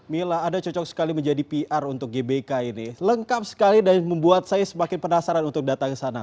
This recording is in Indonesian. mila anda cocok sekali menjadi pr untuk gbk ini lengkap sekali dan membuat saya semakin penasaran untuk datang ke sana